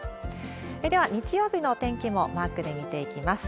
では、日曜日のお天気もマークで見ていきます。